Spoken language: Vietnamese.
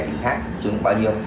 tỉnh khác xuống bao nhiêu